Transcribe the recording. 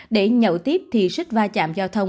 để nhậu tiếp thì sức va chạm giao thông